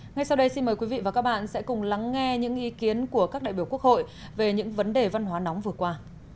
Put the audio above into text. ngay sau đây xin mời quý vị và các bạn sẽ cùng lắng nghe những ý kiến của các đại biểu quốc hội về những vấn đề văn hóa nóng vừa qua